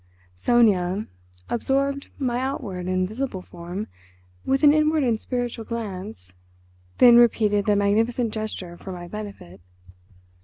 Sonia absorbed my outward and visible form with an inward and spiritual glance, then repeated the magnificent gesture for my benefit.